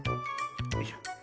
よいしょ。